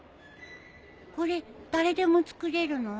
これ誰でも作れるの？